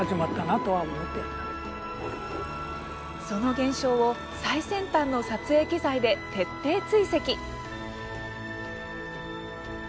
その現象を最先端の撮影機材で徹底追跡。